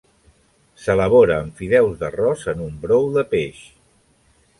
S'elabora amb fideus d'arròs en un brou de peix.